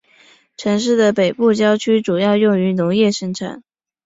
城市的北部郊区主要用于农业生产。